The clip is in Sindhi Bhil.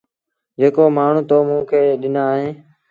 جيڪو مآڻهوٚٚ تو موٚنٚ کي ڏنآ اهينٚ